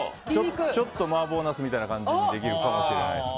マーボーナスみたいな感じにできるかもしれないです。